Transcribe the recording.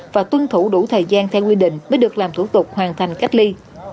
và tuân thủ đủ thời gian theo quy định mới được làm thủ tục hoàn thành cách ly